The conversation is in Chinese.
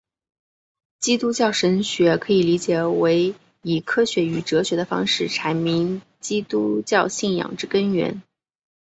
基督教神学可以理解为以科学与哲学的方式阐明基督教信仰之根源。